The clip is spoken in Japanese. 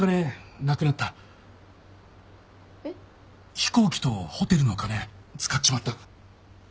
飛行機とホテルの金使っちまった。